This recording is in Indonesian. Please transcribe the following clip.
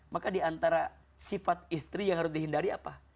maka diantara sifat istri yang harus dihindari apa